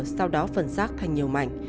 sau đó phần xác thành nhiều mảnh